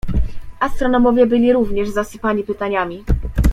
"Astronomowie byli również zasypani pytaniami."